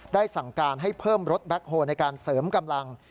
สั่งการให้เพิ่มรถแบ็คโฮลในการเสริมกำลัง